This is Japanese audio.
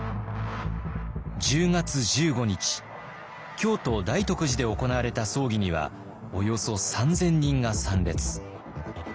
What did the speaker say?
京都・大徳寺で行われた葬儀にはおよそ３，０００人が参列。